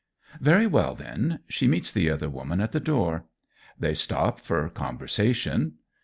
Very well, then, she meets the other woman at the door. They stop for conversation.